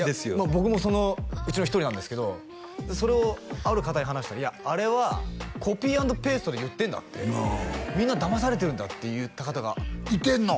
僕もそのうちの一人なんですけどそれをある方に話したらあれはコピーアンドペーストで言ってんだってみんなだまされてるんだって言った方がいてんの？